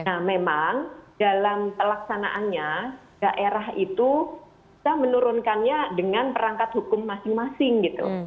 nah memang dalam pelaksanaannya daerah itu bisa menurunkannya dengan perangkat hukum masing masing gitu